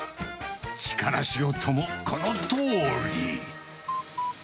力仕事もこのとおり。